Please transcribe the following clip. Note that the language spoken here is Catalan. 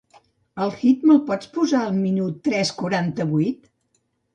El hit, me'l pots posar al minut tres quaranta-vuit?